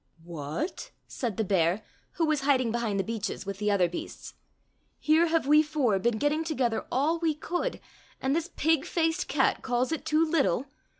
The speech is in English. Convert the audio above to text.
" said the bear, who was hiding behind the beeches with the other beasts, " here have we four been getting together all we could, and this pig faced cat calls it too little